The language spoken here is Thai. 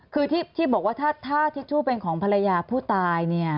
คือที่บอกว่าถ้าทิชชู่เป็นของภรรยาผู้ตายเนี่ย